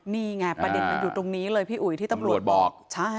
นี่ไงประเด็นมันอยู่ตรงนี้เลยพี่อุ๋ยที่ตำรวจบอก